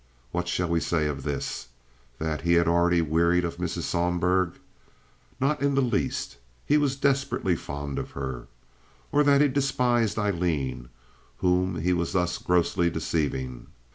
What shall we say of this—that he had already wearied of Mrs. Sohlberg? Not in the least. He was desperately fond of her. Or that he despised Aileen, whom he was thus grossly deceiving?